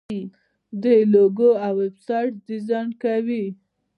دوی لوګو او ویب سایټ ډیزاین کوي.